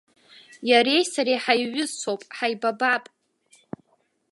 Иареи сареи ҳаиҩызцәоуп, ҳаибабап!